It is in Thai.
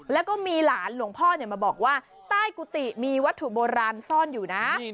แล้วก็มีหลานหลวงพ่อมาบอกว่าใต้กุฏิมีวัตถุโบราณซ่อนอยู่นะ